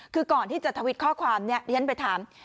คือก่อนที่จะทวิตข้อความเนี่ยเรียนไปถาม